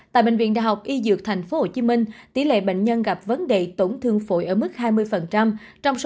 tại bệnh viện đại học y dược tp hcm tỷ lệ bệnh nhân gặp vấn đề tổn thương phổi ở mức hai mươi trong số